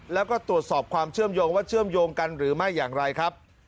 แล้วก็ตรวจสอบความเชื่อมโยงว่าเชื่อมโยงกันหรือไม่อย่างไรครับ